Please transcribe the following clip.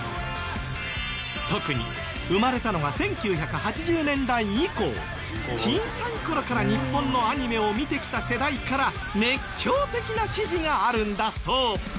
特に生まれたのが１９８０年代以降小さい頃から日本のアニメを見てきた世代から熱狂的な支持があるんだそう。